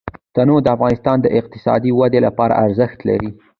تنوع د افغانستان د اقتصادي ودې لپاره ارزښت لري.